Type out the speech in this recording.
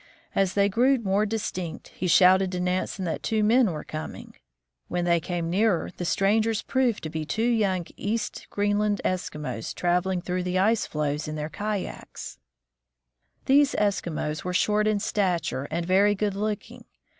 As they grew more distinct, he shouted to Nansen that two men were coming. When they came nearer, the strangers proved to be two young East Greenland Eskimos traveling through the ice floes in their kayaks. ii4 THE FROZEN NORTH These Eskimos were short in stature and very good look ing.